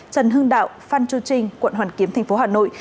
trần hưng đạo phan chu trinh quận hoàn kiếm tp hà nội